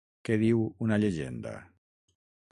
Què diu una llegenda?